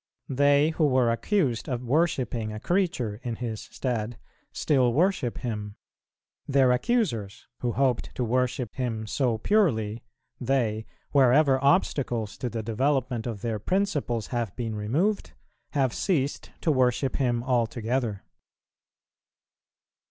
They who were accused of worshipping a creature in His stead, still worship Him; their accusers, who hoped to worship Him so purely, they, wherever obstacles to the development of their principles have been removed, have ceased to worship Him altogether.